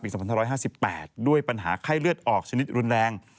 ๒๕๕๘ด้วยปัญหาไข้เลือดออกชนิดรุนแรง